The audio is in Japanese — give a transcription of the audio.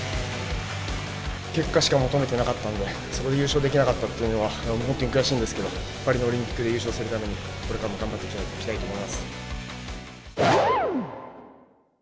結果しか求めてなかったんで、そこで優勝できなかったというのは本当に悔しいんですけど、パリのオリンピックで優勝するために、これからも頑張っていきたリセッシュータイム！